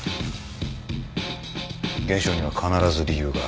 現象には必ず理由がある。